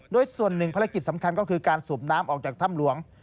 โดยส่วนหนึ่งภารกิจสำคัญก็คือการสูบน้ำออกจากถ้ำหลวง